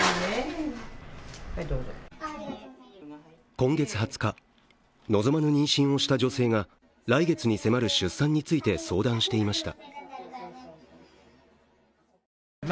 今月２０日、望まぬ妊娠をした女性が来月に迫る出産について相談していました。